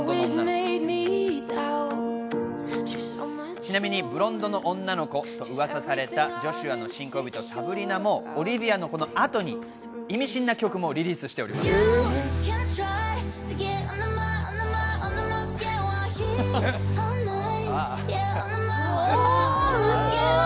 ちなみにブロンドの女の子と噂されたジョシュアの新恋人サブリナもオリヴィアのこのあとに意味深な曲をリリースしています。